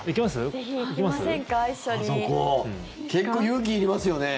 結構、勇気いりますよね。